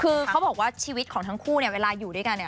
คือเขาบอกว่าชีวิตของทั้งคู่เนี่ยเวลาอยู่ด้วยกันเนี่ย